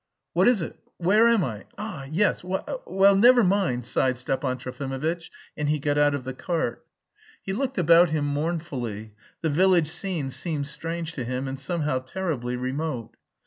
"What is it? Where am I? Ah, yes! Well... never mind," sighed Stepan Trofimovitch, and he got out of the cart. He looked about him mournfully; the village scene seemed strange to him and somehow terribly remote.